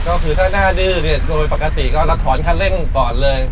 ก็คือถ้าหน้าดื้อเนี่ยโดยปกติก็เราถอนคันเร่งก่อนเลย